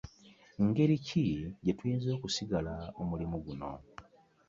Ngeri ki gye tuyinza okusigala mu mulimu guno?